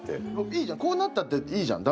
いいじゃんこうなったっていいじゃん。